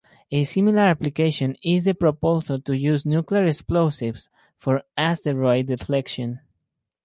A similar application is the proposal to use nuclear explosives for asteroid deflection.